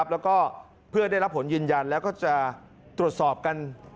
แล้วก็เพื่อได้รับผลยืนยันแล้วก็จะตรวจสอบกัน